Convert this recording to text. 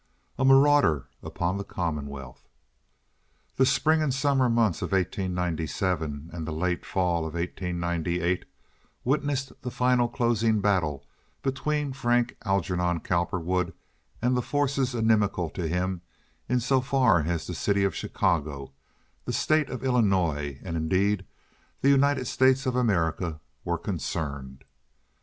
A Marauder Upon the Commonwealth The spring and summer months of 1897 and the late fall of 1898 witnessed the final closing battle between Frank Algernon Cowperwood and the forces inimical to him in so far as the city of Chicago, the state of Illinois, and indeed the United States of America, were concerned.